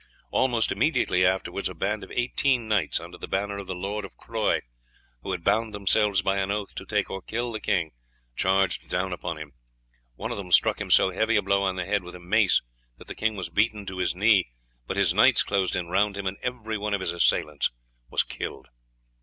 Almost immediately afterwards a band of eighteen knights, under the banner of the Lord of Croye, who had bound themselves by an oath to take or kill the king, charged down upon him. One of them struck him so heavy a blow on the head with a mace that the king was beaten to his knee, but his knights closed in round him, and every one of his assailants was killed.